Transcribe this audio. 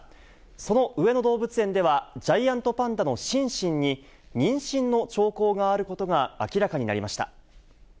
その上野動物園では、ジャイアントパンダのシンシンに、妊娠の兆候があることが明らかになりました。